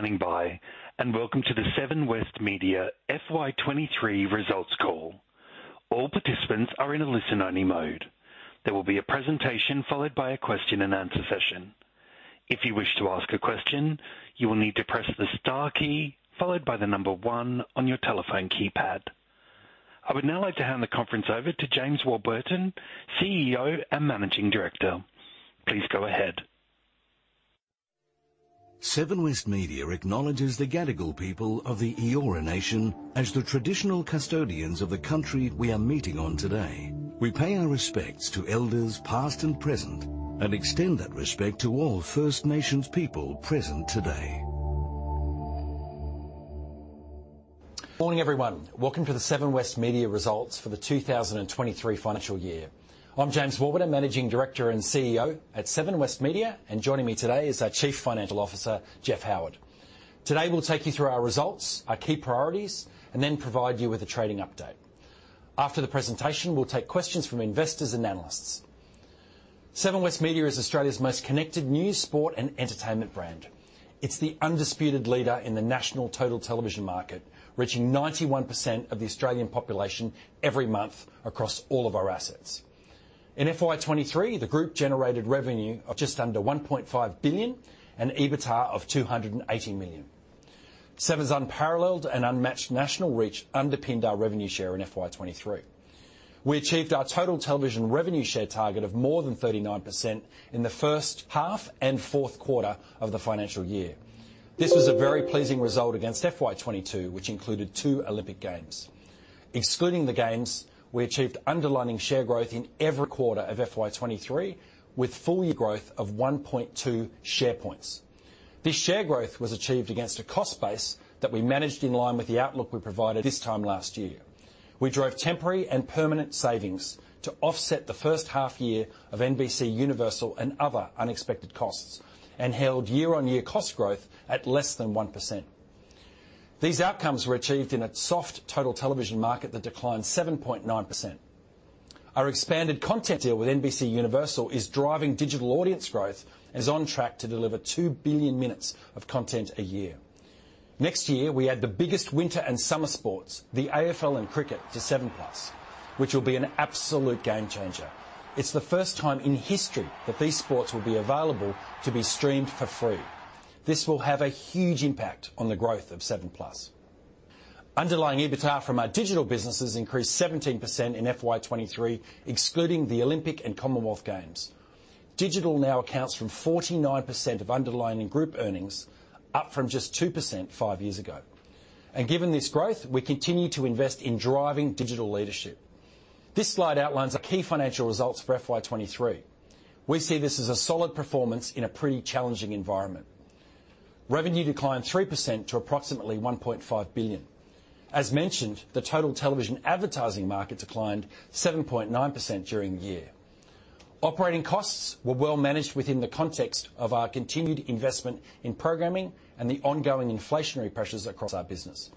Thank you for standing by, and welcome to the Seven West Media FY23 results call. All participants are in a listen-only mode. There will be a presentation followed by a question-and-answer session. If you wish to ask a question, you will need to press the star key followed by the number 1 on your telephone keypad. I would now like to hand the conference over to James Warburton, CEO and Managing Director. Please go ahead. Seven West Media acknowledges the Gadigal people of the Eora Nation as the traditional custodians of the country we are meeting on today. We pay our respects to elders, past and present, and extend that respect to all First Nations people present today. Good morning, everyone. Welcome to the Seven West Media results for the 2023 financial year. I'm James Warburton, Managing Director and CEO at Seven West Media, and joining me today is our Chief Financial Officer, Jeff Howard. Today, we'll take you through our results, our key priorities, and then provide you with a trading update. After the presentation, we'll take questions from investors and analysts. Seven West Media is Australia's most connected news, sport, and entertainment brand. It's the undisputed leader in the national total television market, reaching 91% of the Australian population every month across all of our assets. In FY23, the group generated revenue of just under 1.5 billion and EBITDA of 280 million. Seven's unparalleled and unmatched national reach underpinned our revenue share in FY23. We achieved our total television revenue share target of more than 39% in the first half and fourth quarter of the financial year. This was a very pleasing result against FY22, which included 2 Olympic Games. Excluding the Games, we achieved underlying share growth in every quarter of FY23, with full year growth of 1.2 share points. This share growth was achieved against a cost base that we managed in line with the outlook we provided this time last year. We drove temporary and permanent savings to offset the first half year of NBCUniversal and other unexpected costs, and held year-on-year cost growth at less than 1%. These outcomes were achieved in a soft total television market that declined 7.9%. Our expanded content deal with NBCUniversal is driving digital audience growth, and is on track to deliver 2 billion minutes of content a year. Next year, we add the biggest winter and summer sports, the AFL and cricket, to 7plus, which will be an absolute game changer. It's the first time in history that these sports will be available to be streamed for free. This will have a huge impact on the growth of 7plus. Underlying EBITDA from our digital businesses increased 17% in FY23, excluding the Olympic and Commonwealth Games. Digital now accounts from 49% of underlying group earnings, up from just 2% 5 years ago. Given this growth, we continue to invest in driving digital leadership. This slide outlines our key financial results for FY23. We see this as a solid performance in a pretty challenging environment. Revenue declined 3% to approximately 1.5 billion. As mentioned, the total television advertising market declined 7.9% during the year. Operating costs were well managed within the context of our continued investment in programming and the ongoing inflationary pressures across our business.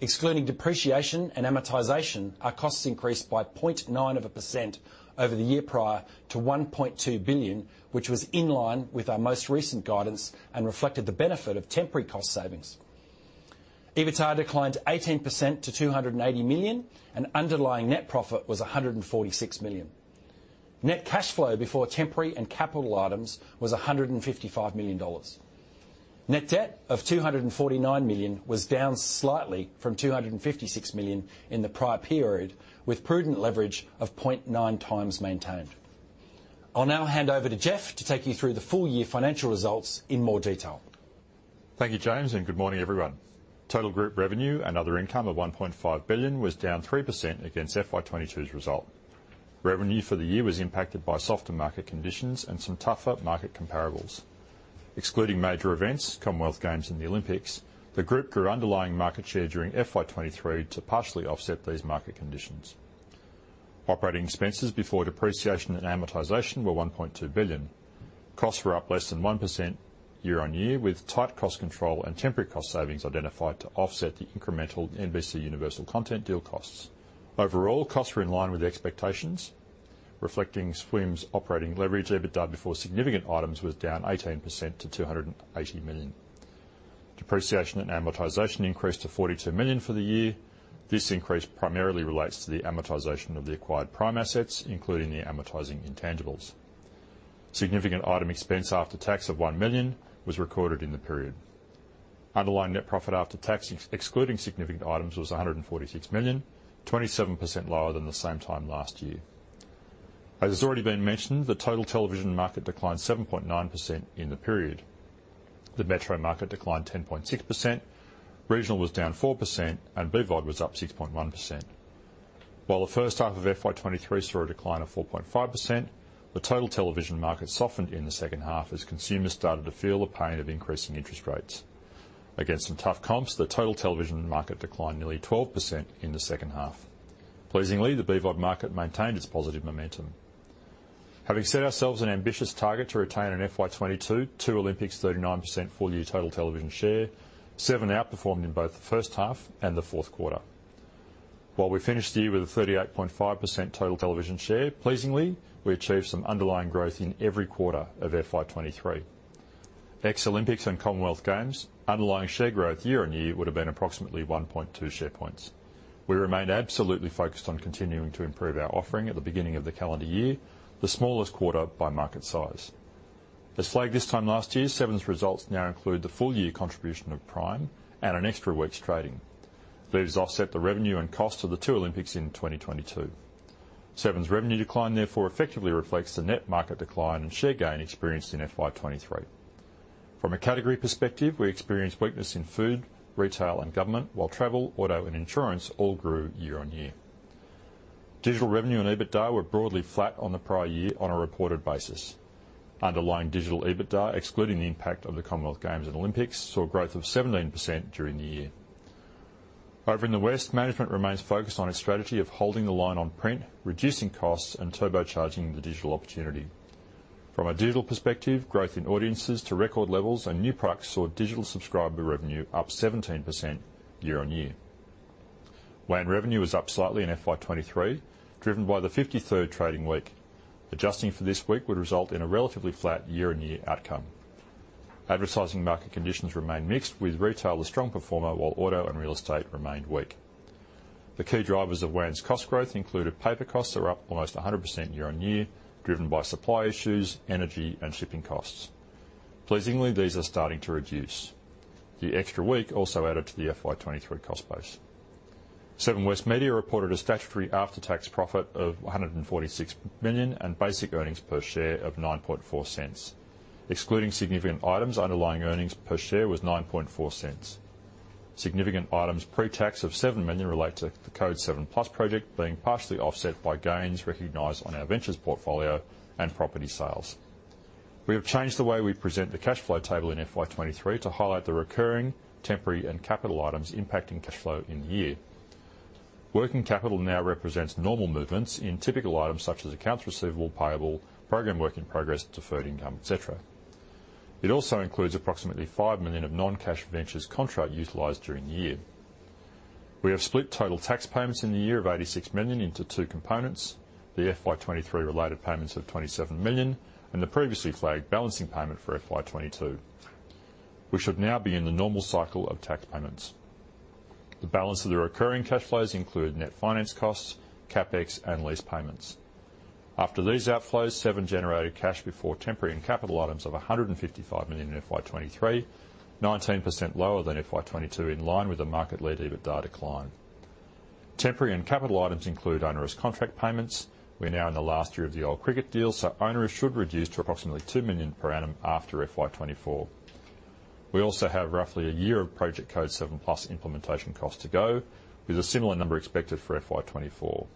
Excluding depreciation and amortization, our costs increased by 0.9% over the year prior to 1.2 billion, which was in line with our most recent guidance and reflected the benefit of temporary cost savings. EBITDA declined 18% to 280 million, and underlying net profit was 146 million. Net cash flow before temporary and capital items was $155 million. Net debt of 249 million was down slightly from 256 million in the prior period, with prudent leverage of 0.9x maintained. I'll now hand over to Jeff to take you through the full year financial results in more detail. Thank you, James, and good morning, everyone. Total group revenue and other income of 1.5 billion was down 3% against FY22's result. Revenue for the year was impacted by softer market conditions and some tougher market comparables. Excluding major events, Commonwealth Games and the Olympic Games, the group grew underlying market share during FY23 to partially offset these market conditions. Operating expenses before depreciation and amortization were 1.2 billion. Costs were up less than 1% year-on-year, with tight cost control and temporary cost savings identified to offset the incremental NBCUniversal content deal costs. Overall, costs were in line with expectations. Reflecting SWM's operating leverage, EBITDA before significant items was down 18% to 280 million. Depreciation and amortization increased to 42 million for the year. This increase primarily relates to the amortization of the acquired Prime assets, including the amortizing intangibles. Significant item expense after tax of 1 million was recorded in the period. Underlying net profit after tax, excluding significant items, was 146 million, 27% lower than the same time last year. As has already been mentioned, the total television market declined 7.9% in the period. The metro market declined 10.6%, regional was down 4%, and BVOD was up 6.1%. While the first half of FY23 saw a decline of 4.5%, the total television market softened in the second half as consumers started to feel the pain of increasing interest rates. Against some tough comps, the total television market declined nearly 12% in the second half. Pleasingly, the BVOD market maintained its positive momentum. Having set ourselves an ambitious target to retain an FY22, 2 Olympics, 39% full-year total television share, Seven outperformed in both the first half and the fourth quarter. While we finished the year with a 38.5% total television share, pleasingly, we achieved some underlying growth in every quarter of FY23. Ex-Olympics and Commonwealth Games, underlying share growth year-on-year would have been approximately 1.2 share points. We remained absolutely focused on continuing to improve our offering at the beginning of the calendar year, the smallest quarter by market size. As flagged this time last year, Seven's results now include the full year contribution of Prime and an extra week's trading. These offset the revenue and cost of the 2 Olympics in 2022. Seven's revenue decline therefore effectively reflects the net market decline and share gain experienced in FY23. From a category perspective, we experienced weakness in food, retail, and government, while travel, auto, and insurance all grew year-on-year. Digital revenue and EBITDA were broadly flat on the prior year on a reported basis. Underlying digital EBITDA, excluding the impact of the Commonwealth Games and Olympics, saw a growth of 17% during the year. Over in the West, management remains focused on its strategy of holding the line on print, reducing costs, and turbocharging the digital opportunity. From a digital perspective, growth in audiences to record levels and new products saw digital subscriber revenue up 17% year-on-year. WAN revenue was up slightly in FY23, driven by the 53rd trading week. Adjusting for this week would result in a relatively flat year-on-year outcome. Advertising market conditions remained mixed, with retail a strong performer, while auto and real estate remained weak. The key drivers of WAN's cost growth included paper costs are up almost 100% year-on-year, driven by supply issues, energy, and shipping costs. Pleasingly, these are starting to reduce. The extra week also added to the FY23 cost base. Seven West Media reported a statutory after-tax profit of AUD 146 million, and basic earnings per share of 0.094. Excluding significant items, underlying earnings per share was 0.094. Significant items, pre-tax of AUD 7 million, relate to the Code7+ project being partially offset by gains recognized on our ventures portfolio and property sales. We have changed the way we present the cash flow table in FY23 to highlight the recurring, temporary, and capital items impacting cash flow in the year. Working capital now represents normal movements in typical items such as accounts receivable, payable, program work in progress, deferred income, et cetera. It also includes approximately 5 million of non-cash ventures contract utilized during the year. We have split total tax payments in the year of 86 million into two components, the FY23 related payments of 27 million, and the previously flagged balancing payment for FY22. We should now be in the normal cycle of tax payments. The balance of the recurring cash flows include net finance costs, CapEx, and lease payments. After these outflows, Seven generated cash before temporary and capital items of 155 million in FY23, 19% lower than FY22, in line with the market-led EBITDA decline. Temporary and capital items include onerous contract payments. We're now in the last year of the old cricket deal, onerous should reduce to approximately 2 million per annum after FY24. We also have roughly a year of Project Code7+ implementation costs to go, with a similar number expected for FY24.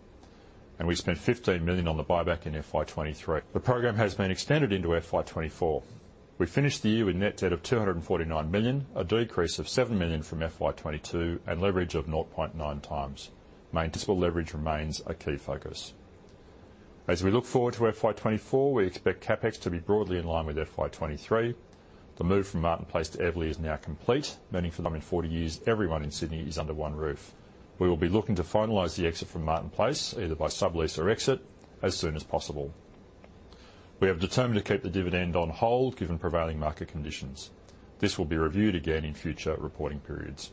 We spent AUD 15 million on the buyback in FY23. The program has been extended into FY24. We finished the year with net debt of 249 million, a decrease of 7 million from FY22, and leverage of 0.9 times. Maintainable leverage remains a key focus. As we look forward to FY24, we expect CapEx to be broadly in line with FY23. The move from Martin Place to Eveleigh is now complete, meaning for the coming 40 years, everyone in Sydney is under one roof. We will be looking to finalize the exit from Martin Place, either by sublease or exit, as soon as possible. We have determined to keep the dividend on hold, given prevailing market conditions. This will be reviewed again in future reporting periods.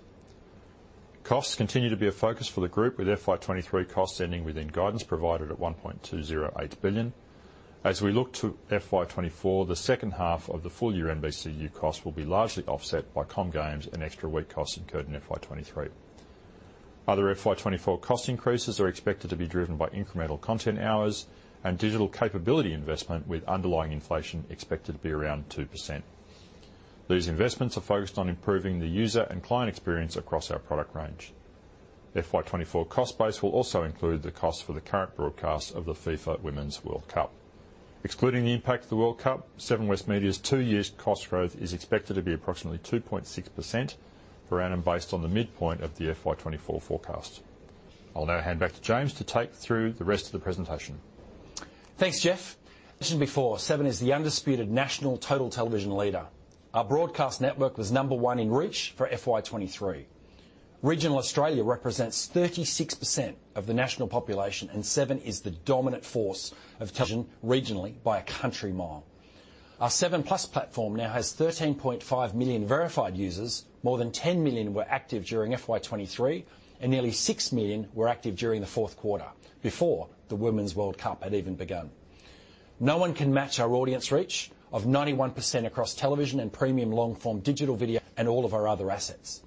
Costs continue to be a focus for the group, with FY23 costs ending within guidance provided at 1.208 billion. We look to FY24, the second half of the full-year NBCU costs will be largely offset by Comm Games and extra week costs incurred in FY23. Other FY24 cost increases are expected to be driven by incremental content hours and digital capability investment, with underlying inflation expected to be around 2%. These investments are focused on improving the user and client experience across our product range. FY24 cost base will also include the cost for the current broadcast of the FIFA Women's World Cup. Excluding the impact of the World Cup, Seven West Media's two-year cost growth is expected to be approximately 2.6% for annum, based on the midpoint of the FY24 forecast. I'll now hand back to James to take through the rest of the presentation. Thanks, Jeff. As mentioned before, Seven is the undisputed national total television leader. Our broadcast network was number 1 in reach for FY23. Regional Australia represents 36% of the national population, and Seven is the dominant force of television regionally by a country mile. Our 7plus platform now has 13.5 million verified users. More than 10 million were active during FY23, and nearly 6 million were active during the fourth quarter, before the Women's World Cup had even begun. No one can match our audience reach of 91% across television and premium long-form digital video and all of our other assets.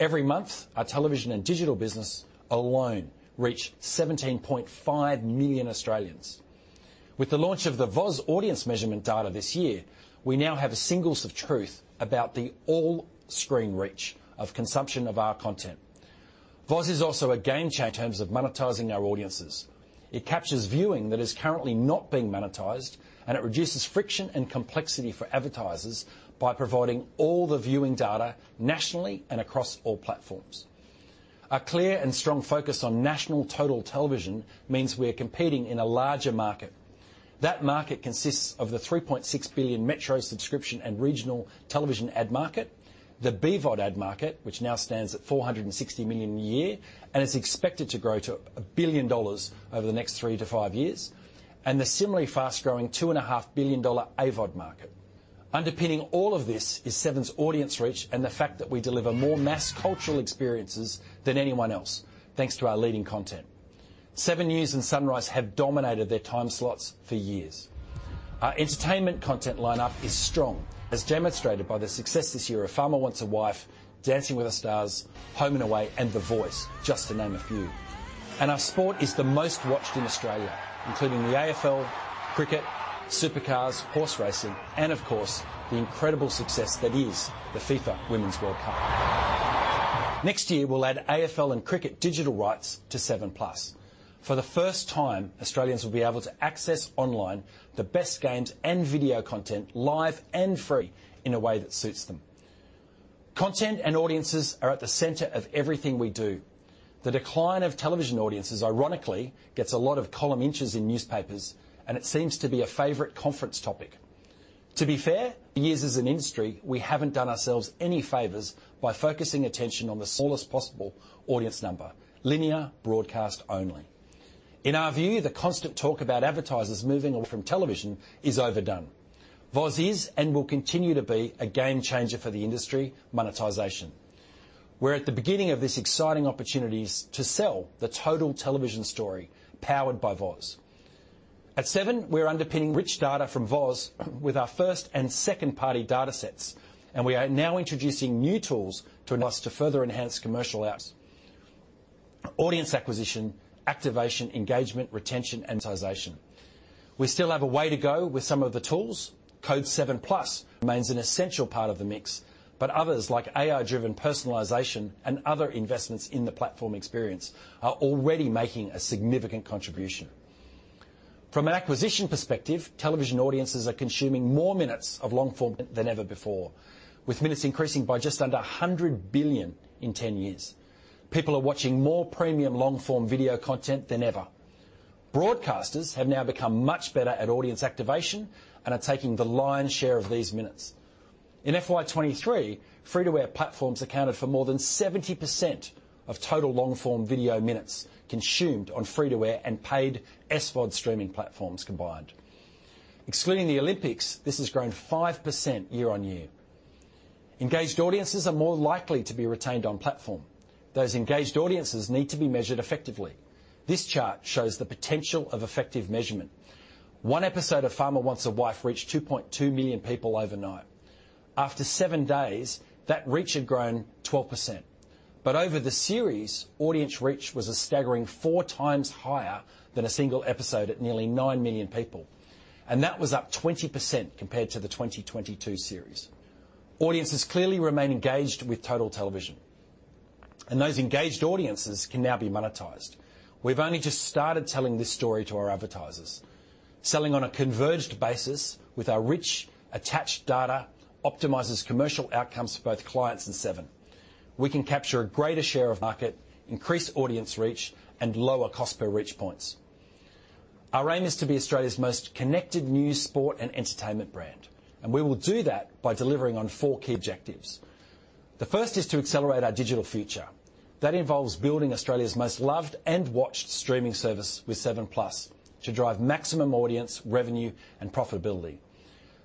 Every month, our television and digital business alone reach 17.5 million Australians. With the launch of the VOZ audience measurement data this year, we now have a singles source of truth about the all-screen reach of consumption of our content. VOZ is also a game changer in terms of monetizing our audiences. It captures viewing that is currently not being monetized, and it reduces friction and complexity for advertisers by providing all the viewing data nationally and across all platforms. A clear and strong focus on national total television means we are competing in a larger market. That market consists of the 3.6 billion metro subscription and regional television ad market, the BVOD ad market, which now stands at 460 million a year, and is expected to grow to 1 billion dollars over the next 3-5 years, and the similarly fast-growing 2.5 billion dollar AVOD market. Underpinning all of this is Seven's audience reach, and the fact that we deliver more mass cultural experiences than anyone else, thanks to our leading content. Seven News and Sunrise have dominated their time slots for years. Our entertainment content lineup is strong, as demonstrated by the success this year of Farmer Wants A Wife, Dancing With The Stars, Home and Away, and The Voice, just to name a few. Our sport is the most watched in Australia, including the AFL, cricket, Supercars, horse racing, and of course, the incredible success that is the FIFA Women's World Cup. Next year, we'll add AFL and cricket digital rights to 7plus. For the first time, Australians will be able to access online the best games and video content, live and free, in a way that suits them. Content and audiences are at the center of everything we do. The decline of television audiences, ironically, gets a lot of column inches in newspapers, and it seems to be a favorite conference topic. To be fair, for years as an industry, we haven't done ourselves any favors by focusing attention on the smallest possible audience number, linear broadcast only. In our view, the constant talk about advertisers moving away from television is overdone. VOZ is, and will continue to be, a game changer for the industry monetization. We're at the beginning of this exciting opportunities to sell the total television story, powered by VOZ. At Seven, we're underpinning rich data from VOZ with our first and second-party data sets, and we are now introducing new tools to allow us to further enhance commercial outcomes, audience acquisition, activation, engagement, retention, and monetization. We still have a way to go with some of the tools. Code7+ remains an essential part of the mix. But others, like AI-driven personalization and other investments in the platform experience, are already making a significant contribution. From an acquisition perspective, television audiences are consuming more minutes of long form than ever before, with minutes increasing by just under 100 billion in 10 years. People are watching more premium long-form video content than ever. Broadcasters have now become much better at audience activation and are taking the lion's share of these minutes. In FY23, free-to-air platforms accounted for more than 70% of total long-form video minutes consumed on free-to-air and paid SVOD streaming platforms combined. Excluding the Olympics, this has grown 5% year-on-year. Engaged audiences are more likely to be retained on platform. Those engaged audiences need to be measured effectively. This chart shows the potential of effective measurement. One episode of Farmer Wants A Wife reached 2.2 million people overnight. After 7 days, that reach had grown 12%. Over the series, audience reach was a staggering 4 times higher than a single episode, at nearly 9 million people, and that was up 20% compared to the 2022 series. Audiences clearly remain engaged with total television, and those engaged audiences can now be monetized. We've only just started telling this story to our advertisers. Selling on a converged basis with our rich attached data, optimizes commercial outcomes for both clients and Seven. We can capture a greater share of market, increase audience reach, and lower cost per reach points. Our aim is to be Australia's most connected news, sport, and entertainment brand, and we will do that by delivering on 4 key objectives. The first is to accelerate our digital future. That involves building Australia's most loved and watched streaming service with 7plus, to drive maximum audience, revenue, and profitability.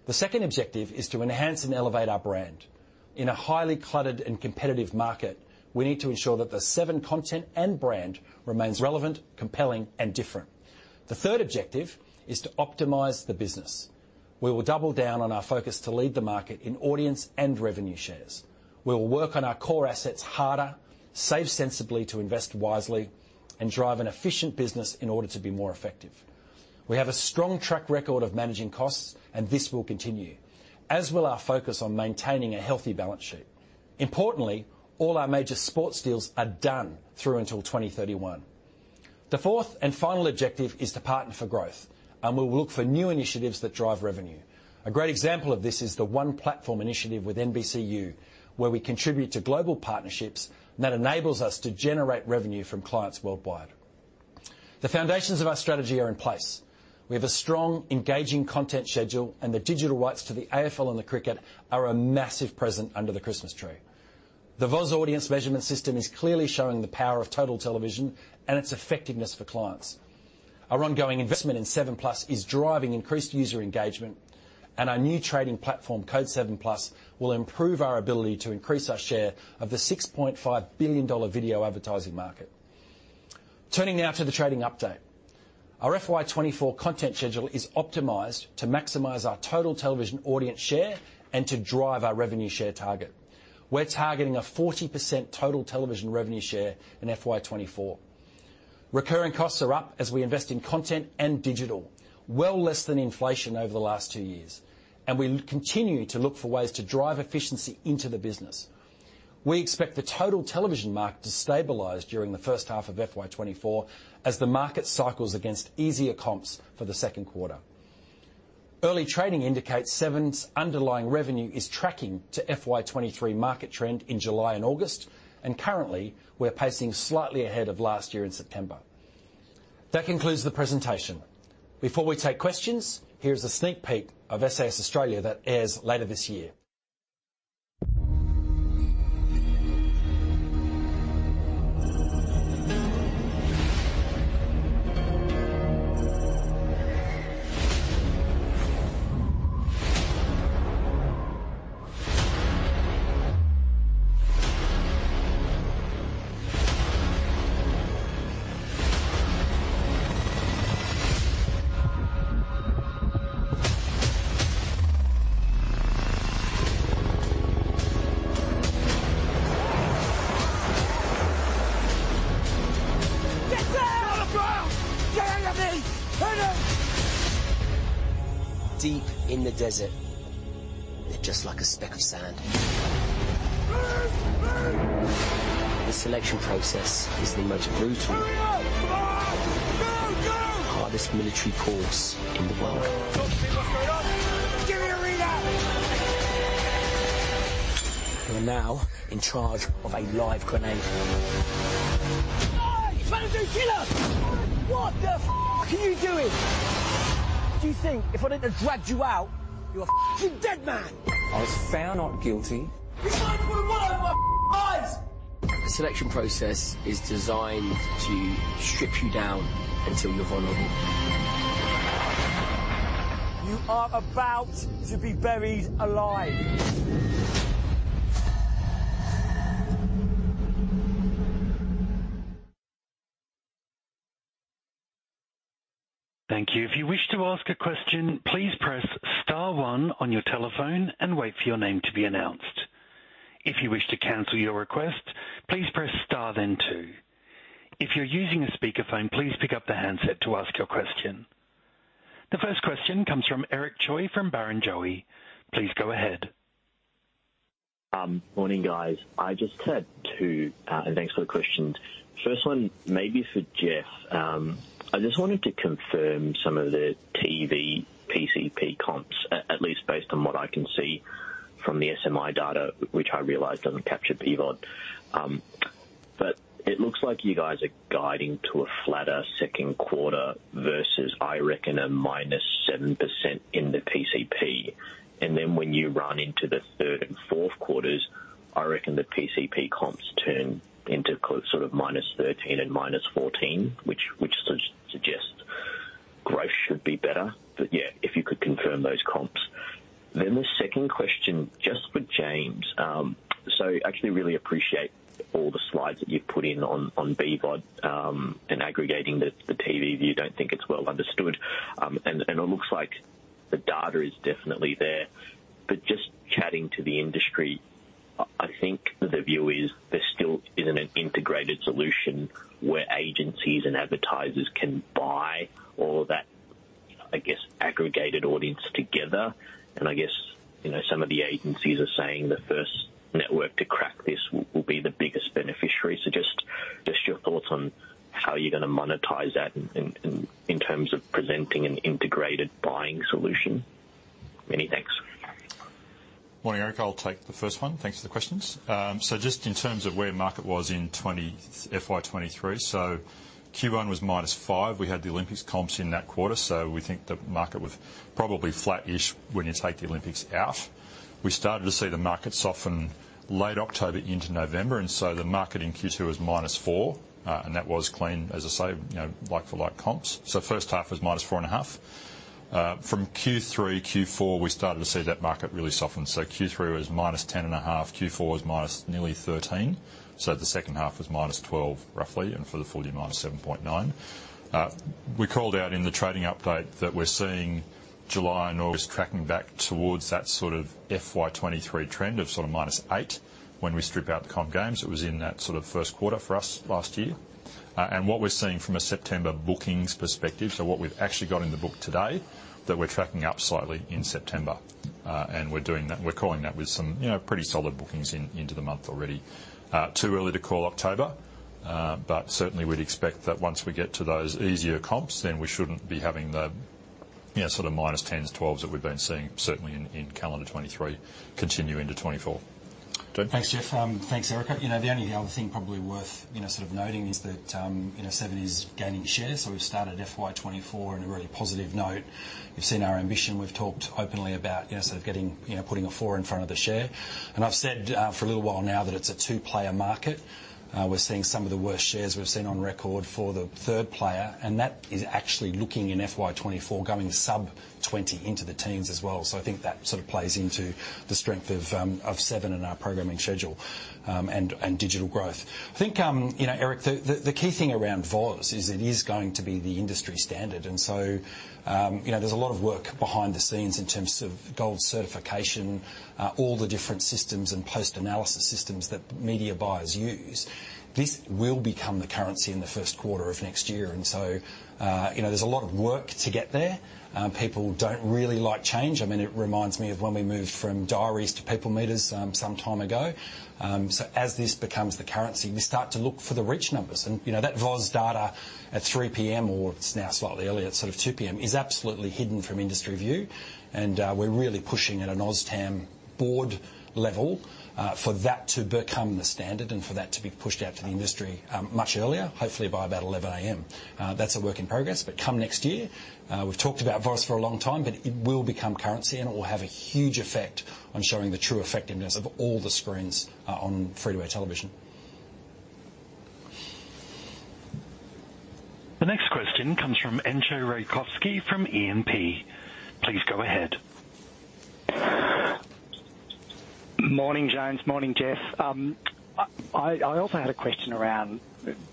The second objective is to enhance and elevate our brand. In a highly cluttered and competitive market, we need to ensure that the Seven content and brand remains relevant, compelling, and different. The third objective is to optimize the business. We will double down on our focus to lead the market in audience and revenue shares. We will work on our core assets harder, save sensibly to invest wisely, and drive an efficient business in order to be more effective. We have a strong track record of managing costs, and this will continue, as will our focus on maintaining a healthy balance sheet. Importantly, all our major sports deals are done through until 2031. The fourth and final objective is to partner for growth, and we will look for new initiatives that drive revenue. A great example of this is the One Platform initiative with NBCU, where we contribute to global partnerships, and that enables us to generate revenue from clients worldwide. The foundations of our strategy are in place. We have a strong, engaging content schedule, and the digital rights to the AFL and the cricket are a massive present under the Christmas tree. The VOZ audience measurement system is clearly showing the power of total television and its effectiveness for clients. Our ongoing investment in 7plus is driving increased user engagement, and our new trading platform, Code7+, will improve our ability to increase our share of the 6.5 billion dollar video advertising market. Turning now to the trading update. Our FY24 content schedule is optimized to maximize our total television audience share and to drive our revenue share target. We're targeting a 40% total television revenue share in FY24. Recurring costs are up as we invest in content and digital, well less than inflation over the last 2 years, and we continue to look for ways to drive efficiency into the business. We expect the total television market to stabilize during the first half of FY24 as the market cycles against easier comps for the second quarter. Early trading indicates Seven's underlying revenue is tracking to FY23 market trend in July and August, and currently we're pacing slightly ahead of last year in September. That concludes the presentation. Before we take questions, here's a sneak peek of SAS Australia that airs later this year. Get down! On the ground. Get out of there. Hit him. Deep in the desert, they're just like a speck of sand. Move! Move. The selection process is the most brutal- Hurry up. Come on! Go, go. -hardest military course in the world. What's going on? Give me a readout. You are now in charge of a live grenade. Hey! You trying to kill us? What the are you doing? Do you think if I didn't have dragged you out, you're a dead man. I was found not guilty. You tried to put 1 over my eyes. The selection process is designed to strip you down until you're vulnerable. You are about to be buried alive. Thank you. If you wish to ask a question, please press star one on your telephone and wait for your name to be announced. If you wish to cancel your request, please press star, then two. If you're using a speakerphone, please pick up the handset to ask your question. The first question comes from Eric Choi from Barrenjoey. Please go ahead. Morning, guys. I just had two. Thanks for the questions. First one, maybe for Jeff. I just wanted to confirm some of the TV PCP comps, at least based on what I can see from the SMI data, which I realize doesn't capture BVOD. It looks like you guys are guiding to a flatter second quarter versus, I reckon, a -7% in the PCP. Then when you run into the third and fourth quarters, I reckon the PCP comps turn into sort of -13% and -14%, which suggests growth should be better. Yeah, if you could confirm those comps. The second question, just for James. Actually really appreciate all the slides that you've put in on BVOD, and aggregating the TV if you don't think it's well understood. It looks like the data is definitely there. Just chatting to the industry, I think the view is there still isn't an integrated solution where agencies and advertisers can buy all of that, I guess, aggregated audience together. I guess, you know, some of the agencies are saying the first network to crack this will be the biggest beneficiary. Just your thoughts on how you're going to monetize that in terms of presenting an integrated buying solution. Many thanks. Morning, Eric. I'll take the first one. Thanks for the questions. Just in terms of where market was in FY23. Q1 was -5%. We had the Olympic Games comps in that quarter, so we think the market was probably flattish when you take the Olympic Games out. We started to see the market soften late October into November, the market in Q2 was -4%, and that was clean, as I say, you know, like for like comps. First half was -4.5%. From Q3, Q4, we started to see that market really soften. Q3 was -10.5%. Q4 was -nearly 13%, so the second half was -12%, roughly, and for the full year, -7.9%. We called out in the trading update that we're seeing July and August tracking back towards that sort of FY23 trend of sort of -8% when we strip out the comp games. It was in that sort of 1st quarter for us last year. What we're seeing from a September bookings perspective, so what we've actually got in the book today, that we're tracking up slightly in September. We're doing that, we're calling that with some, you know, pretty solid bookings in, into the month already. Too early to call October, certainly we'd expect that once we get to those easier comps, then we shouldn't be having the, you know, sort of -10%, -12% that we've been seeing, certainly in, in calendar 2023 continue into 2024. James? Thanks, Jeff Howard. Thanks, Eric Choi. You know, the only other thing probably worth, you know, sort of noting is that, you know, Seven is gaining shares. We've started FY24 in a really positive note. We've seen our ambition. We've talked openly about, you know, sort of getting, you know, putting a 4 in front of the share. I've said for a little while now that it's a two-player market. We're seeing some of the worst shares we've seen on record for the third player, and that is actually looking in FY24, going sub-20 into the teens as well. I think that sort of plays into the strength of Seven and our programming schedule, and digital growth. I think, you know, Eric Choi, the, the, the key thing around VOZ is it is going to be the industry standard. You know, there's a lot of work behind the scenes in terms of gold certification, all the different systems and post-analysis systems that media buyers use. This will become the currency in the first quarter of next year. You know, there's a lot of work to get there. People don't really like change. I mean, it reminds me of when we moved from diaries to peoplemeters, some time ago. As this becomes the currency, we start to look for the rich numbers and, you know, that VOZ data at 3:00 P.M., or it's now slightly earlier at sort of 2:00 P.M., is absolutely hidden from industry view. We're really pushing at an OzTAM board level for that to become the standard and for that to be pushed out to the industry much earlier, hopefully by about 11:00 A.M. That's a work in progress, but come next year, we've talked about VOZ for a long time, but it will become currency, and it will have a huge effect on showing the true effectiveness of all the screens on freeway television. The next question comes from Entcho Raykovski from E&P. Please go ahead. Morning, James. Morning, Jeff. I also had a question around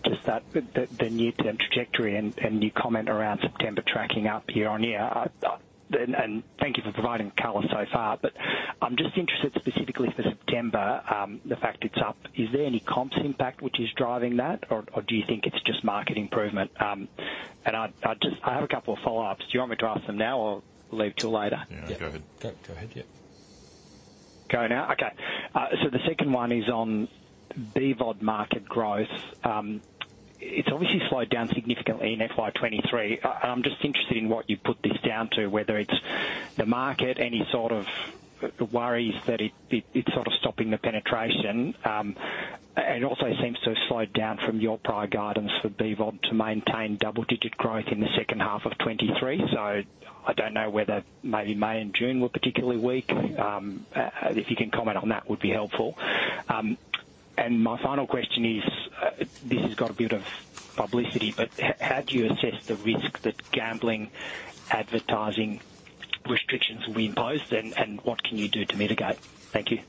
just that, the, the near-term trajectory and your comment around September tracking up year-on-year. Thank you for providing color so far, but I'm just interested specifically for September, the fact it's up. Is there any comps impact which is driving that? Or do you think it's just market improvement? I have a couple of follow-ups. Do you want me to ask them now or leave till later? Yeah, go ahead. Go, go ahead, yeah. Go now? Okay. The second one is on BVOD market growth. It's obviously slowed down significantly in FY23. I'm just interested in what you put this down to, whether it's the market, any sort of worries that it's sort of stopping the penetration. It also seems to have slowed down from your prior guidance for BVOD to maintain double-digit growth in the second half of 23. I don't know whether maybe May and June were particularly weak. If you can comment on that, would be helpful. My final question is, this has got a bit of publicity, how do you assess the risk that gambling advertising restrictions will be imposed, and what can you do to mitigate? Thank you.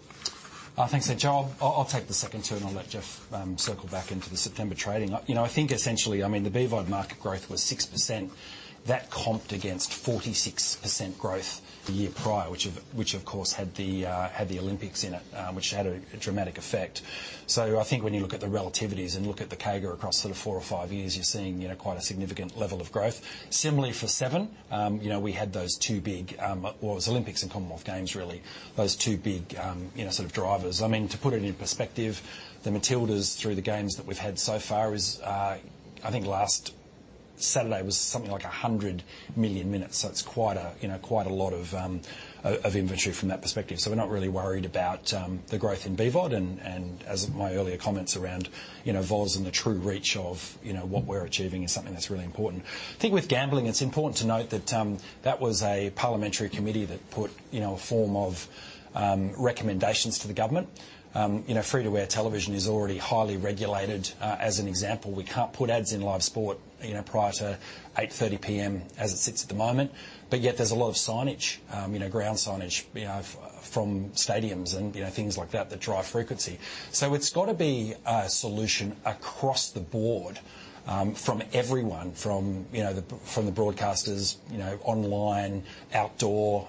Thanks, Encho. I'll, I'll take the second two, and I'll let Jeff circle back into the September trading. You know, I think essentially, I mean, the BVOD market growth was 6%. That comped against 46% growth the year prior, which of, which of course had the Olympics in it, which had a dramatic effect. I think when you look at the relativities and look at the CAGR across sort of 4 or 5 years, you're seeing, you know, quite a significant level of growth. Similarly for Seven, you know, we had those two big... Well, it was Olympics and Commonwealth Games, really, those two big, you know, sort of drivers. I mean, to put it in perspective, the Matildas through the games that we've had so far is... I think last Saturday was something like 100 million minutes, so it's quite a, you know, quite a lot of inventory from that perspective. We're not really worried about the growth in BVOD, and as my earlier comments around, you know, VOZ and the true reach of, you know, what we're achieving is something that's really important. I think with gambling, it's important to note that that was a parliamentary committee that put, you know, a form of recommendations to the government. You know, free-to-air television is already highly regulated. As an example, we can't put ads in live sport, you know, prior to 8:30 P.M. as it sits at the moment, but yet there's a lot of signage, you know, ground signage from stadiums and, you know, things like that, that drive frequency. It's got to be a solution across the board, from everyone, from, you know, the, from the broadcasters, you know, online, outdoor,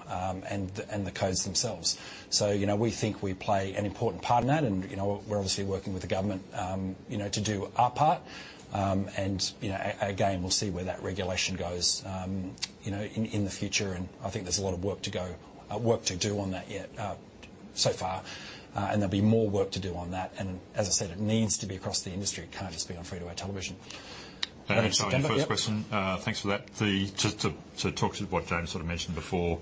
and, and the codes themselves. You know, we think we play an important part in that, and, you know, we're obviously working with the government, you know, to do our part. You know, again, we'll see where that regulation goes, you know, in, in the future. I think there's a lot of work to go, work to do on that yet, so far. There'll be more work to do on that, and as I said, it needs to be across the industry. It can't just be on free-to-air television. Sorry, first question, thanks for that. To talk to what James sort of mentioned before,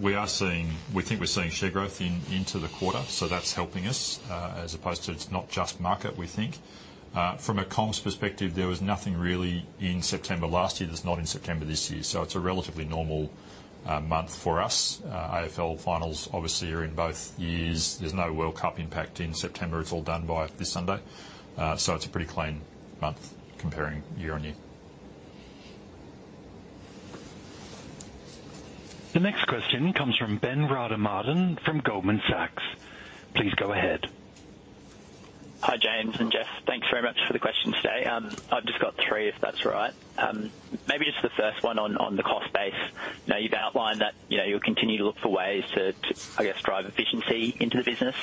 we are seeing- we think we're seeing share growth in, into the quarter, so that's helping us, as opposed to it's not just market, we think. From a comps perspective, there was nothing really in September last year that's not in September this year, so it's a relatively normal month for us. AFL finals obviously are in both years. There's no World Cup impact in September. It's all done by this Sunday. So it's a pretty clean month comparing year-over-year. The next question comes from Ben Rademarten from Goldman Sachs. Please go ahead. Hi, James and Jeff. Thanks very much for the question today. I've just got three, if that's all right. Maybe just the first one on, on the cost base. Now, you've outlined that, you know, you'll continue to look for ways to, to, I guess, drive efficiency into the business.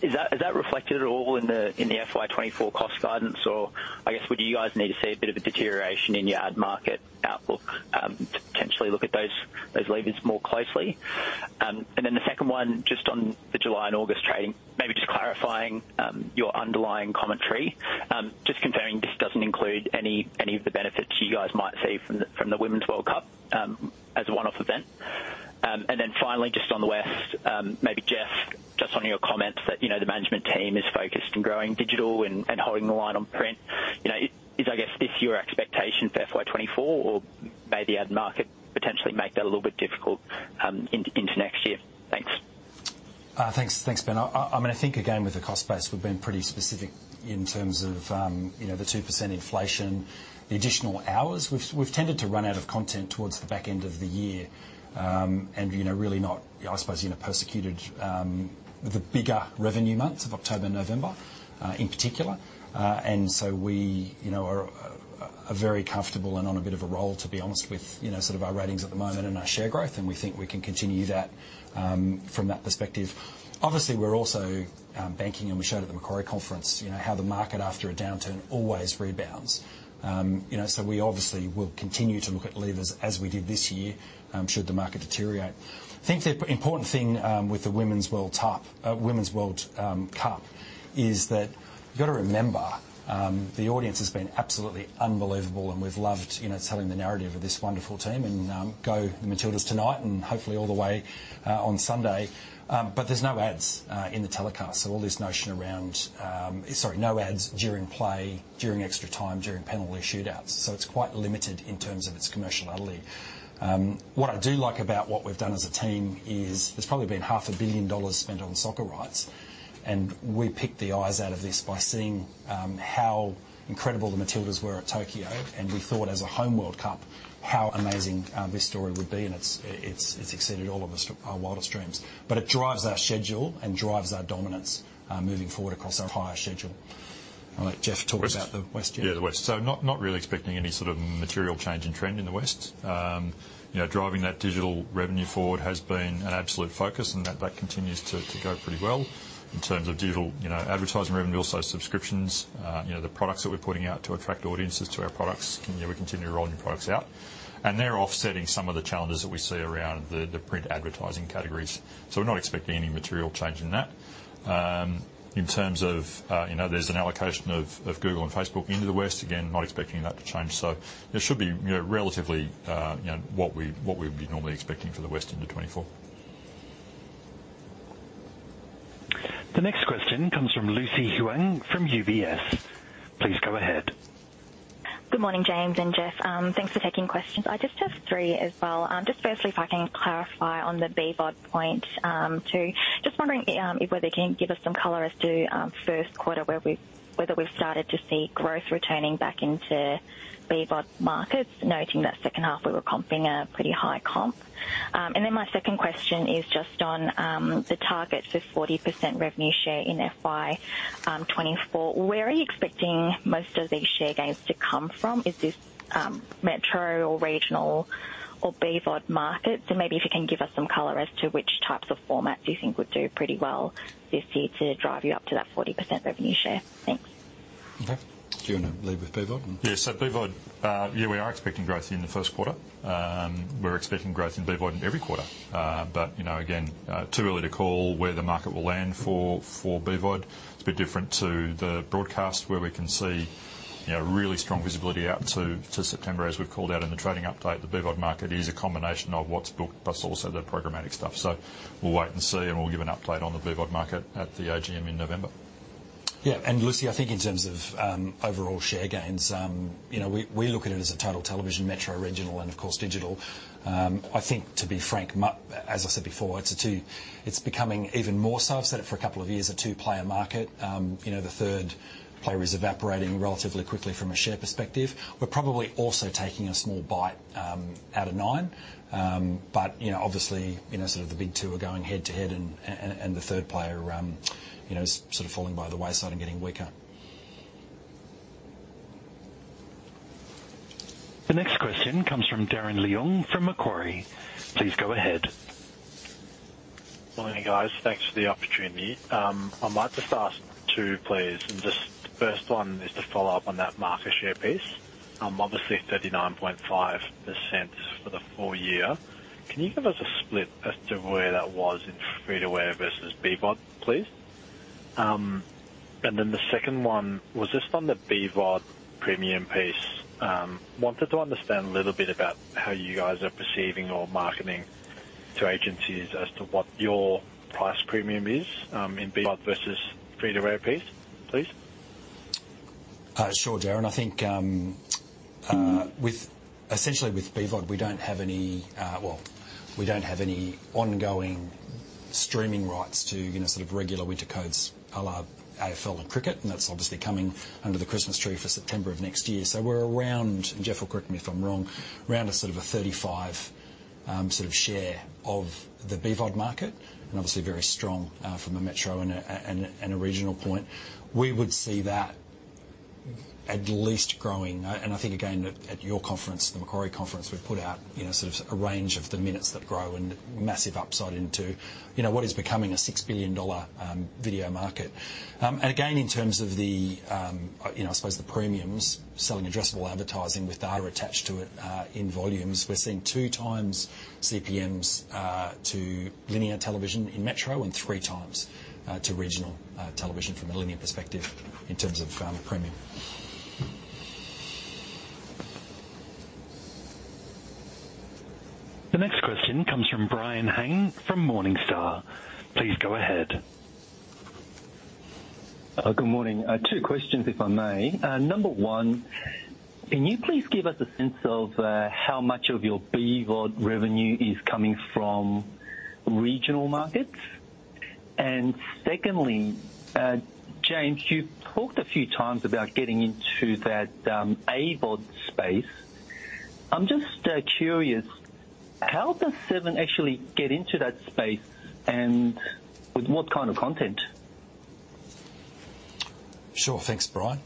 Is that, is that reflected at all in the, in the FY24 cost guidance? Or I guess, would you guys need to see a bit of a deterioration in your ad market outlook, to potentially look at those, those levers more closely? And then the second one, just on the July and August trading, maybe just clarifying, your underlying commentary. Just confirming this doesn't include any, any of the benefits you guys might see from the, from the Women's World Cup, as a one-off event. And then finally, just on the West, maybe Jeff, just on your comments that, you know, the management team is focused on growing digital and, and holding the line on print. You know, is, I guess, this your expectation for FY24, or may the ad market potentially make that a little bit difficult into next year? Thanks. Thanks. Thanks, Ben. I, I mean, I think again, with the cost base, we've been pretty specific in terms of, you know, the 2% inflation, the additional hours. We've, we've tended to run out of content towards the back end of the year, and, you know, really not, I suppose, you know, persecuted, the bigger revenue months of October, November, in particular. And so we, you know, are, are very comfortable and on a bit of a roll, to be honest with, you know, sort of our ratings at the moment and our share growth, and we think we can continue that, from that perspective. Obviously, we're also, banking, and we showed at the Macquarie Conference, you know, how the market after a downturn always rebounds. You know, we obviously will continue to look at levers as we did this year, should the market deteriorate. I think the important thing with the Women's World Cup is that you've got to remember, the audience has been absolutely unbelievable, and we've loved, you know, telling the narrative of this wonderful team, and, go the Matildas tonight and hopefully all the way on Sunday. There's no ads in the telecast. All this notion around. Sorry, no ads during play, during extra time, during penalty shootouts, so it's quite limited in terms of its commercial ability. What I do like about what we've done as a team is there's probably been 500 million dollars spent on soccer rights. We picked the eyes out of this by seeing, how incredible the Matildas were at Tokyo. We thought as a home World Cup, how amazing, this story would be, and it's, it's, it's exceeded all of us, our wildest dreams. It drives our schedule and drives our dominance, moving forward across our higher schedule. All right, Jeff, talk about the West. Yeah, the West. Not, not really expecting any sort of material change in trend in the West. You know, driving that digital revenue forward has been an absolute focus, and that, that continues to, to go pretty well. In terms of digital, you know, advertising revenue, also subscriptions, you know, the products that we're putting out to attract audiences to our products. We continue to roll new products out, and they're offsetting some of the challenges that we see around the, the print advertising categories. We're not expecting any material change in that. In terms of, you know, there's an allocation of, of Google and Facebook into the West. Again, not expecting that to change. It should be, you know, relatively, you know, what we, what we would be normally expecting for the West into 2024. The next question comes from Lucy Huang from UBS. Please go ahead. Good morning, James and Jeff. Thanks for taking questions. I just have 3 as well. Just firstly, if I can clarify on the BVOD point, too. Just wondering if whether you can give us some color as to 1st quarter, where we... Whether we've started to see growth returning back into BVOD markets, noting that 2nd half, we were comping a pretty high comp. And then my 2nd question is just on the target for 40% revenue share in FY 2024. Where are you expecting most of these share gains to come from? Is this metro or regional or BVOD markets? And maybe if you can give us some color as to which types of formats you think would do pretty well this year to drive you up to that 40% revenue share. Thanks. Okay. Do you want to lead with BVOD? BVOD, yeah, we are expecting growth in the first quarter. We're expecting growth in BVOD in every quarter. You know, again, too early to call where the market will land for, for BVOD. It's a bit different to the broadcast, where we can see, you know, really strong visibility out to September, as we've called out in the trading update. The BVOD market is a combination of what's booked, plus also the programmatic stuff. We'll wait and see, and we'll give an update on the BVOD market at the AGM in November. Yeah, Lucy, I think in terms of overall share gains, you know, we, we look at it as a total television, metro, regional, and of course, digital. I think, to be frank, as I said before, it's a two... It's becoming even more so. I've said it for a couple of years, a two-player market. You know, the third player is evaporating relatively quickly from a share perspective. We're probably also taking a small bite out of Nine. Obviously, you know, sort of the big two are going head-to-head and, and, and the third player, you know, is sort of falling by the wayside and getting weaker. The next question comes from Darren Leung from Macquarie. Please go ahead. Morning, guys. Thanks for the opportunity. I might just ask 2, please. Just the first one is to follow up on that market share piece. Obviously 39.5% for the full year. Can you give us a split as to where that was in free to air versus BVOD, please? Then the second one, was just on the BVOD premium piece. Wanted to understand a little bit about how you guys are perceiving or marketing to agencies as to what your price premium is, in BVOD versus free to air piece, please? Sure, Darren. I think with, essentially with BVOD, we don't have any. Well, we don't have any ongoing streaming rights to, you know, sort of regular winter codes, a la AFL and cricket, and that's obviously coming under the Christmas tree for September of next year. So we're around, and Jeff will correct me if I'm wrong, around a sort of a 35 sort of share of the BVOD market, and obviously very strong from a metro and a regional point. We would see that at least growing. I think, again, at, at your conference, the Macquarie Conference, we put out, you know, sort of a range of the minutes that grow and massive upside into, you know, what is becoming an 6 billion dollar video market. Again, in terms of the, you know, I suppose the premiums, selling addressable advertising with data attached to it, in volumes, we're seeing 2 times CPMs to linear television in metro, and 3 times to regional television from a linear perspective in terms of the premium. The next question comes from Brian Han from Morningstar. Please go ahead. Good morning. 2 questions, if I may. Number 1, can you please give us a sense of how much of your BVOD revenue is coming from regional markets? Secondly, James, you've talked a few times about getting into that AVOD space. I'm just curious, how does Seven actually get into that space, and with what kind of content? Sure. Thanks, Brian.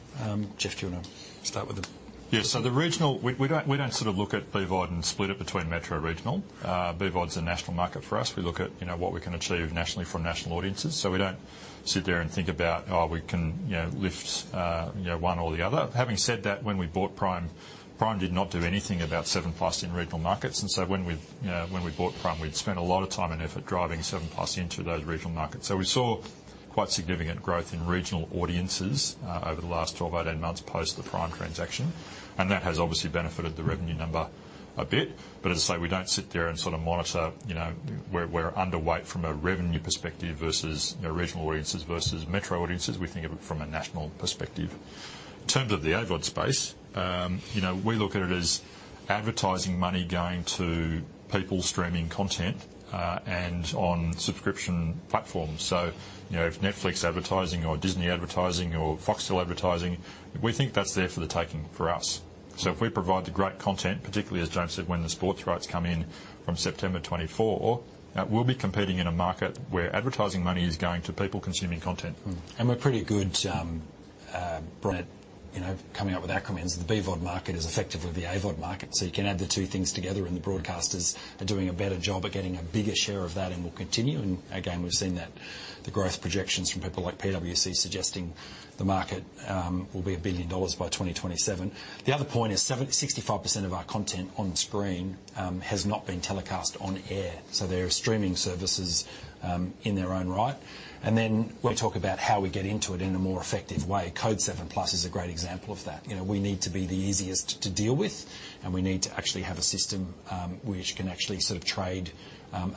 Jeff, do you want to start with the- Yeah, so the regional, we, we don't, we don't sort of look at BVOD and split it between metro and regional. BVOD's a national market for us. We look at, you know, what we can achieve nationally from national audiences. We don't sit there and think about, oh, we can, you know, lift, you know, one or the other. Having said that, when we bought Prime, Prime did not do anything about 7plus in regional markets. When we, you know, when we bought Prime, we'd spent a lot of time and effort driving 7plus into those regional markets. We saw quite significant growth in regional audiences over the last 12-18 months post the Prime transaction, and that has obviously benefited the revenue number a bit. As I say, we don't sit there and sort of monitor, you know, where we're underweight from a revenue perspective versus, you know, regional audiences versus metro audiences. We think of it from a national perspective. In terms of the AVOD space, you know, we look at it as advertising money going to people streaming content and on subscription platforms. You know, if Netflix advertising or Disney advertising or Foxtel advertising. We think that's there for the taking for us. If we provide the great content, particularly, as James said, when the sports rights come in from September 2024, we'll be competing in a market where advertising money is going to people consuming content. We're pretty good, Brett, you know, coming up with acronyms. The BVOD market is effectively the AVOD market, so you can add the two things together, and the broadcasters are doing a better job at getting a bigger share of that, and will continue. Again, we've seen that the growth projections from people like PwC suggesting the market will be 1 billion dollars by 2027. The other point is 65% of our content on screen has not been telecast on air, so they're streaming services in their own right. Then we talk about how we get into it in a more effective way. Code7+ is a great example of that. You know, we need to be the easiest to deal with, and we need to actually have a system which can actually sort of trade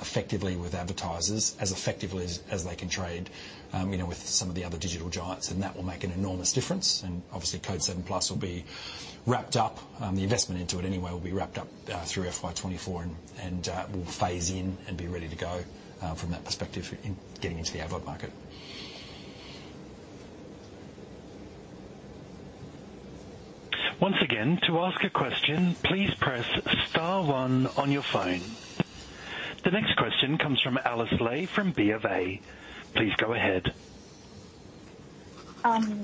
effectively with advertisers, as effectively as, as they can trade, you know, with some of the other digital giants, and that will make an enormous difference. Obviously, Code7+ will be wrapped up. The investment into it anyway, will be wrapped up through FY24, and we'll phase in and be ready to go from that perspective in getting into the AVOD market. Once again, to ask a question, please press star one on your phone. The next question comes from Alice Li from BofA. Please go ahead.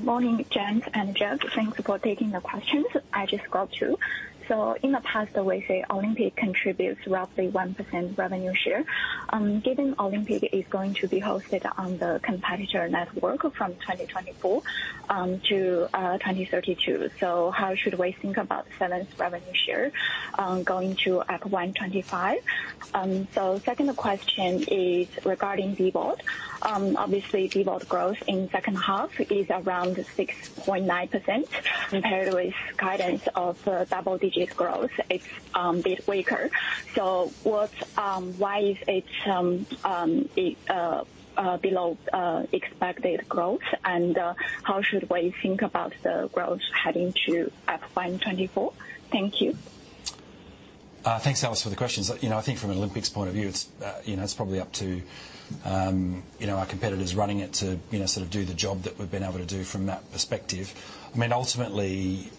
Morning, James and Jeff. Thanks for taking the questions. I just got through. In the past, the way, say, Olympic Games contributes roughly 1% revenue share. Given Olympic Games is going to be hosted on the competitor network from 2024 to 2032. How should we think about Seven's revenue share going to FY25? Second question is regarding BVOD. Obviously, BVOD growth in second half is around 6.9% compared with guidance of double-digit growth. It's a bit weaker. Why is it below expected growth? How should we think about the growth heading to FY24? Thank you. Thanks, Alice, for the questions. You know, I think from an Olympics point of view, it's, you know, it's probably up to, you know, our competitors running it to, you know, sort of do the job that we've been able to do from that perspective. I mean, ultimately,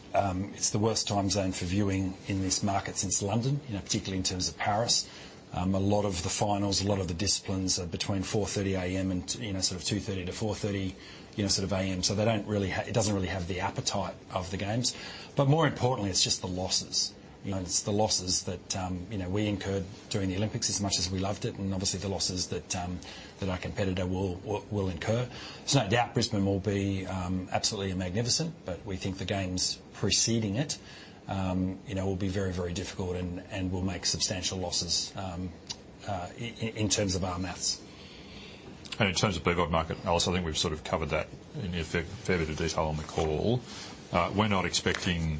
it's the worst time zone for viewing in this market since London, you know, particularly in terms of Paris. A lot of the finals, a lot of the disciplines are between 4:30 A.M. and, you know, sort of 2:30 to 4:30, you know, sort of A.M. It doesn't really have the appetite of the games. More importantly, it's just the losses. You know, it's the losses that, you know, we incurred during the Olympics, as much as we loved it, and obviously the losses that our competitor will, will, will incur. There's no doubt Brisbane will be absolutely magnificent, but we think the games preceding it, you know, will be very, very difficult and, and will make substantial losses in terms of our math. In terms of BVOD market, Alice, I think we've sort of covered that in fair, fair bit of detail on the call. We're not expecting,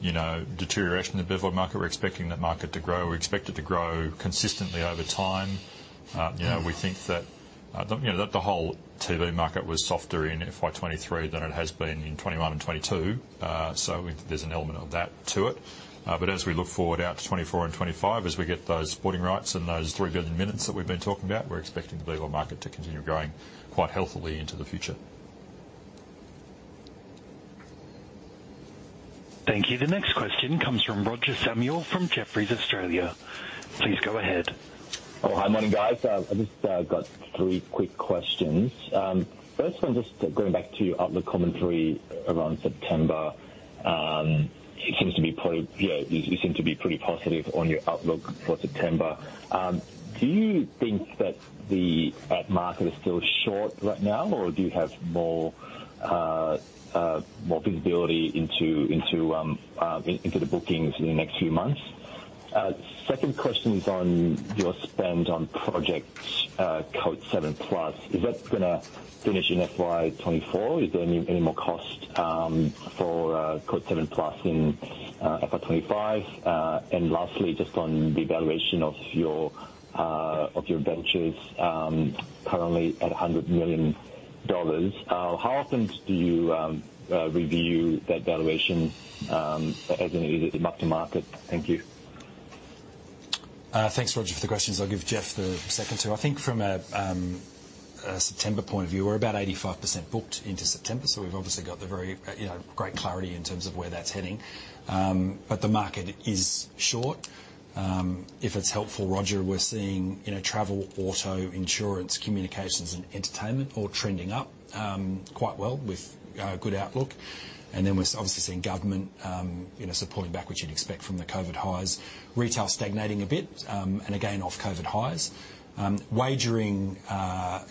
you know, deterioration in the BVOD market. We're expecting that market to grow. We expect it to grow consistently over time. You know, we think that, you know, that the whole TV market was softer in FY23 than it has been in 21 and 22, so there's an element of that to it. As we look forward out to 24 and 25, as we get those sporting rights and those 3 billion minutes that we've been talking about, we're expecting the BVOD market to continue growing quite healthily into the future. Thank you. The next question comes from Roger Samuel, from Jefferies Australia. Please go ahead. Oh, hi. Morning, guys. I've just got 3 quick questions. First one, just going back to your outlook commentary around September. It seems to be pretty... Yeah, you seem to be pretty positive on your outlook for September. Do you think that the ad market is still short right now, or do you have more visibility into, into the bookings in the next few months? Second question is on your spend on project, Code7+. Is that gonna finish in FY24? Is there any, any more cost for Code7+ in FY25? Lastly, just on the valuation of your ventures, currently at 100 million dollars, how often do you review that valuation as it's mark-to-market? Thank you. Thanks, Roger, for the questions. I'll give Jeff the second 2. I think from a September point of view, we're about 85% booked into September, we've obviously got the very, you know, great clarity in terms of where that's heading. The market is short. If it's helpful, Roger, we're seeing, you know, travel, auto, insurance, communications, and entertainment all trending up, quite well with good outlook. We're obviously seeing government, you know, supporting back what you'd expect from the COVID highs. Retail stagnating a bit, again, off COVID highs. Wagering,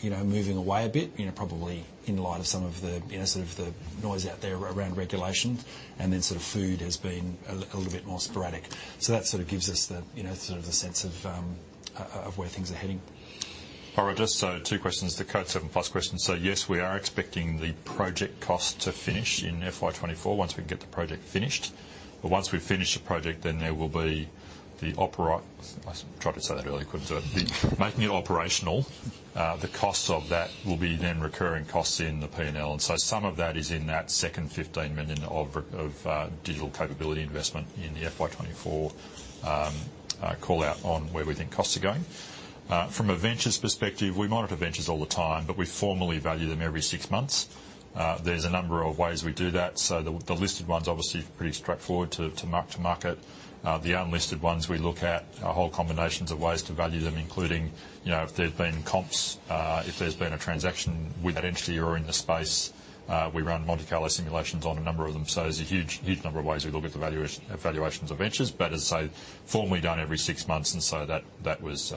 you know, moving away a bit, you know, probably in light of some of the, you know, sort of the noise out there around regulation. Sort of food has been a little bit more sporadic. That sort of gives us the, you know, sort of the sense of where things are heading. Hi, Roger. Two questions. The Code7+ question. Yes, we are expecting the project cost to finish in FY24, once we get the project finished. Once we've finished the project, then there will be Making it operational, the costs of that will be then recurring costs in the P&L. Some of that is in that second 15 million of digital capability investment in the FY24 call-out on where we think costs are going. From a ventures perspective, we monitor ventures all the time, but we formally value them every 6 months. There's a number of ways we do that. The, the listed ones, obviously, pretty straightforward to, to mark to market. The unlisted ones, we look at a whole combinations of ways to value them, including, you know, if there's been comps, if there's been a transaction with that entity or in the space, we run Monte Carlo simulations on a number of them. There's a huge, huge number of ways we look at the valuation, valuations of ventures, but as I say, formally done every six months, that, that was,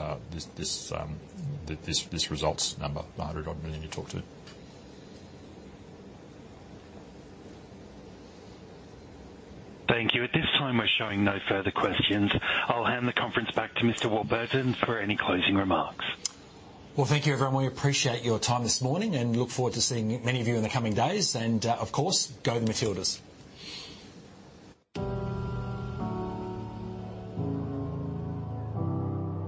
this, this results number, the 100 odd million you talked to. Thank you. At this time, we're showing no further questions. I'll hand the conference back to Mr. Warburton for any closing remarks. Well, thank you, everyone. We appreciate your time this morning, look forward to seeing many of you in the coming days. Of course, go the Matildas!